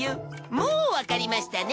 もうわかりましたね？